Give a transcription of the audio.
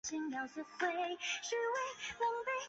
当政府官员盛世才率领的省军到达。